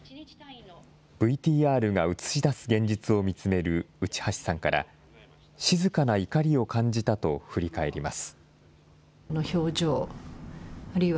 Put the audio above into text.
ＶＴＲが映し出す現実を見つめる内橋さんから、静かな怒りを感じたと振り返ります。